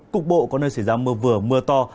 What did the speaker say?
cục bộ có nơi xảy ra mưa vừa mưa to